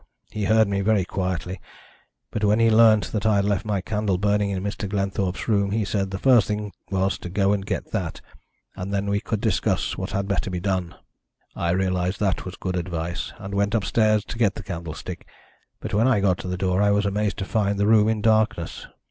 He heard me very quietly, but when he learnt that I had left my candle burning in Mr. Glenthorpe's room he said the first thing was to go and get that, and then we could discuss what had better be done. "I realised that was good advice, and went upstairs to get the candlestick. But when I got to the door I was amazed to find the room in darkness.